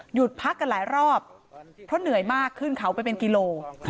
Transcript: พักกันหลายรอบเพราะเหนื่อยมากขึ้นเขาไปเป็นกิโล